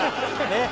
ねっ？